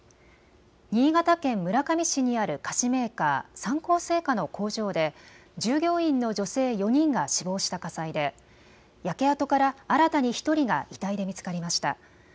新潟県村上市にある菓子メーカー、三幸製菓の工場で従業員の女性４人が死亡した火災で焼け跡から新たに１人が遺体で見つかりました。